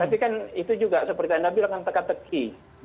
tapi kan itu juga seperti anda bilang kan teka teki